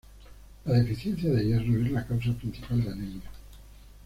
La deficiencia de hierro es la causa principal de anemia.